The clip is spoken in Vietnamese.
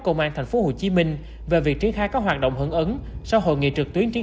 công an thành phố hồ chí minh về việc triển khai có hoạt động hưởng ứng sau hội nghị trực tuyến triển